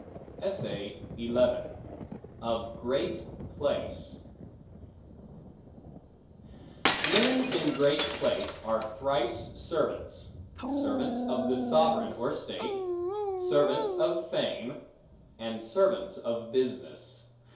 Of Great Place MEN in great place are thrice servants: servants of the sovereign or state; servants of fame; and servants of business.